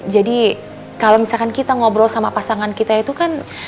jadi kalau misalkan kita ngobrol sama pasangan kita itu kan